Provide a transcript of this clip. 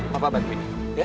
bapak bantu ya